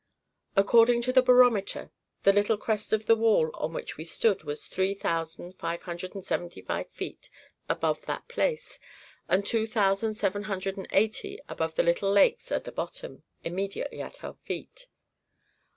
According to the barometer, the little crest of the wall on which we stood was three thousand five hundred and seventy feet above that place, and two thousand seven hundred and eighty above the little lakes at the bottom, immediately at our feet.